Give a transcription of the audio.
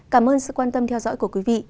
cảm ơn sự quan tâm theo dõi của quý vị